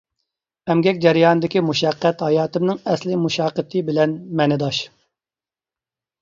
ئەمگەك جەريانىدىكى مۇشەققەت ھاياتىمنىڭ ئەسلى مۇشەققىتى بىلەن مەنىداش.